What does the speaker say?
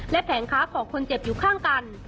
และแผงค้าของคนเจ็บอยู่ข้างกัน